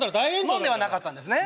飲んではなかったんですね？